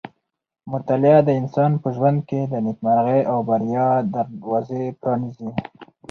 مطالعه د انسان په ژوند کې د نېکمرغۍ او بریا دروازې پرانیزي.